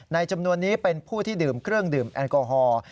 จำนวนนี้เป็นผู้ที่ดื่มเครื่องดื่มแอลกอฮอล์